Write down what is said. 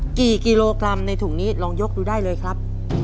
กี่กิโลกรัมในถุงนี้ลองยกดูได้เลยครับ